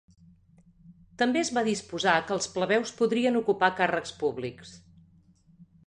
També es va disposar que els plebeus podrien ocupar càrrecs públics.